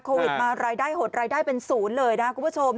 โควิดมารายได้หดรายได้เป็นศูนย์เลยนะคุณผู้ชม